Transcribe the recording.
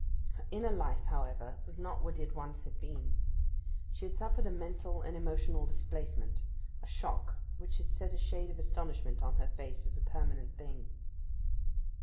Her inner life, however, was not what it once had been. She had suffered a mental and emotional displacement—a shock, which had set a shade of astonishment on her face as a permanent thing.